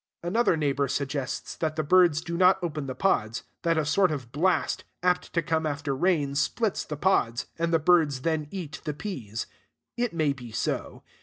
Another neighbor suggests that the birds do not open the pods; that a sort of blast, apt to come after rain, splits the pods, and the birds then eat the peas. It may be so.